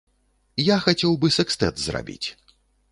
Я хацеў бы сэкстэт зрабіць.